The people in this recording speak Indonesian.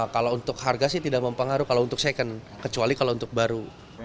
kalau untuk harga sih tidak mempengaruh kalau untuk second kecuali kalau untuk baru